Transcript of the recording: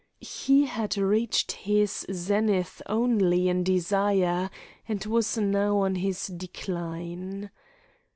He had reached his zenith only in desire, and was now on his decline.